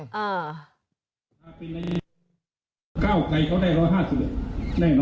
หรือถ้าเป็นนายก้าวไกรเขาได้๑๕๐เหก